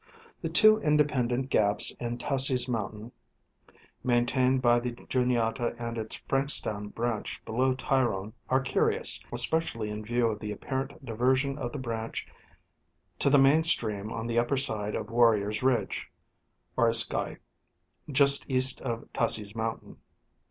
The two independent gaps in Tussey's mountain, maintained by the Juniata and its Frankstown branch below Tyrone are curious, especially in view of the apparent diversion of the branch to the main stream on the upper side of Warrior's ridge (Oriskauy), just east of Tussey's mountain.